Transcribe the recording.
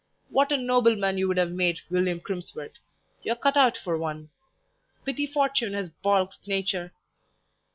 What a nobleman you would have made, William Crimsworth! You are cut out for one; pity Fortune has baulked Nature!